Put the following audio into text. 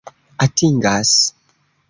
atingas